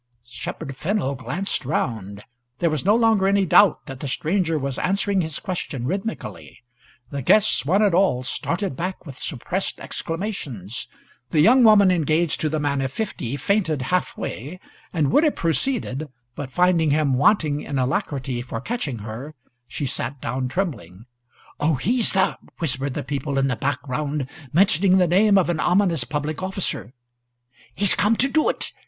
Shepherd Fennel glanced round. There was no longer any doubt that the stranger was answering his question rhythmically. The guests one and all started back with suppressed exclamations. The young woman engaged to the man of fifty fainted half way, and would have proceeded, but, finding him wanting in alacrity for catching her, she sat down trembling. "Oh, he's the " whispered the people in the background, mentioning the name of an ominous public officer. "He's come to do it.